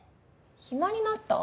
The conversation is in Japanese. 暇になった？